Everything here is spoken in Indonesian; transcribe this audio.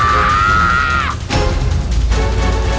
tuh siar putraku